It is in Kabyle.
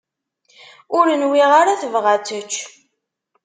Ur nwiɣ ara tebɣa ad tečč.